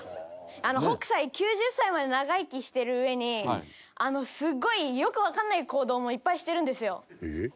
北斎９０歳まで長生きしてるうえにすごいよくわかんない行動もいっぱいしてるんですよ。えっ？